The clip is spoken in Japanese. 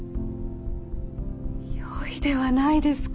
よいではないですか。